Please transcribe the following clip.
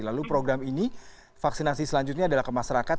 lalu program ini vaksinasi selanjutnya adalah ke masyarakat